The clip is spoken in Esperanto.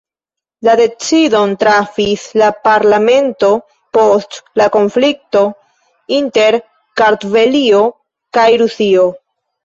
La decidon trafis la parlamento post la konflikto inter Kartvelio kaj Rusio.